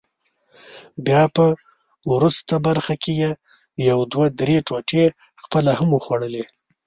بیا په وروست برخه کې یې یو دوه درې ټوټې خپله هم وخوړلې.